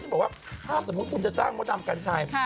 ฉันบอกว่าถ้าสมมุติว่าคุณจะจ้างเมืองดำกันชัย